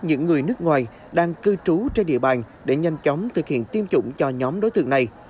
những người nước ngoài đang cư trú trên địa bàn để nhanh chóng thực hiện tiêm chủng cho nhóm đối tượng này